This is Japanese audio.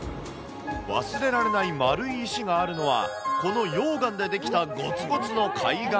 忘れられない丸い石があるのは、この溶岩で出来たごつごつの海岸。